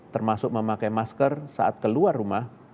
termasuk memakai masker saat keluar rumah